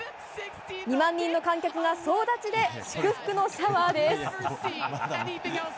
２万人の観客が総立ちで祝福のシャワーです。